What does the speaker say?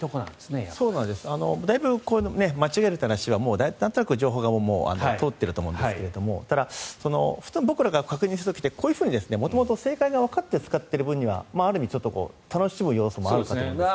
だいぶ間違える話はなんとなく情報が通っていると思うんですがただ、ふと僕らが確認する時ってこういうふうに元々、正解がわかって使っている分には楽しむ要素もあると思うんですけど。